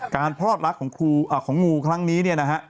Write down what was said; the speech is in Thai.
การพรอดลักษณ์ของงูครั้งนี้